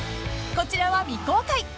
［こちらは未公開］